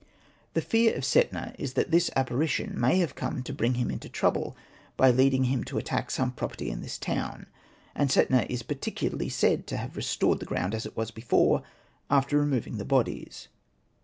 The fear of Setna is that this apparition may have come to bring him into trouble by leading him to attack some property in this town ; and Setna is particularly said to have restored the ground as it was before, after removing the bodies.